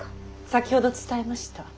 先ほど伝えました。